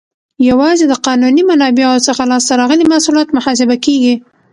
یوازې د قانوني منابعو څخه لاس ته راغلي محصولات محاسبه کیږي.